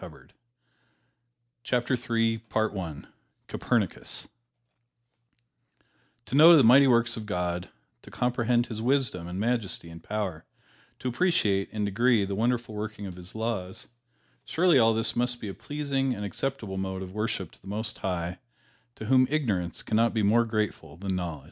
[Illustration: COPERNICUS] COPERNICUS To know the mighty works of God; to comprehend His wisdom and majesty and power; to appreciate, in degree, the wonderful working of His laws, surely all this must be a pleasing and acceptable mode of worship to the Most High, to whom ignorance can not be more grateful than knowledge.